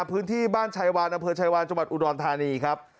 พื้นที่บ้านชายวานอำเภอชายวานจังหวัดอุดรธานีครับ